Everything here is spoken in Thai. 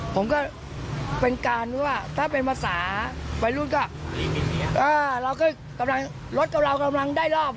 ผมก็เป็นการว่าถ้าเป็นภาษาวัยรุ่นก็เราก็กำลังรถกับเรากำลังได้รอบ